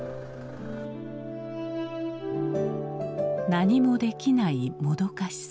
何もできないもどかしさ。